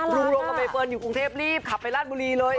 ลงกับใบเฟิร์นอยู่กรุงเทพรีบขับไปราชบุรีเลย